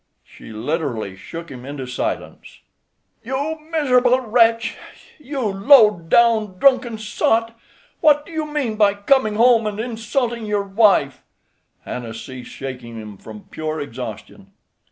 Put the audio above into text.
She literally shook him into silence. "You miserable wretch! you low down drunken sot! what do you mean by coming home and insulting your wife?" Hannah ceased shaking him from pure exhaustion.